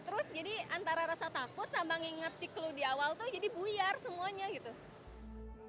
terus jadi antara rasa takut sama nginget si clue di awal tuh jadi buyar semuanya gitu